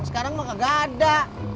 sekarang mah kagak ada